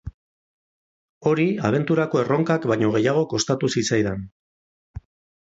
Hori abenturako erronkak baino gehiago kostatu zitzaidan.